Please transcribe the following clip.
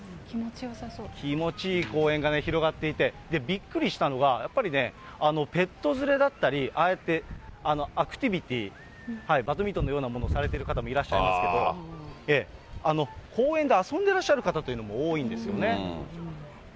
気持ちいい公園が広がっていて、びっくりしたのが、やっぱりね、ペット連れだったり、ああやってアクティビティー、バドミントンのようなものをされてる方いらっしゃいますけど、公園で遊んでらっしゃる方というのも多いんですよね。